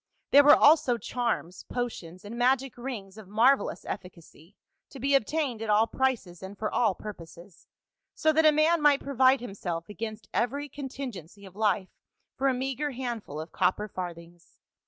There were also charms, potions and magic rings of marvelous efficacy to be obtained at all prices and for all pur poses, so that a man might provide himself against every contingency of life for a meagre handful of cop per farthings.